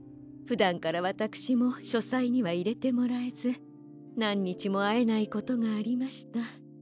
ふだんからわたくしもしょさいにはいれてもらえずなんにちもあえないことがありました。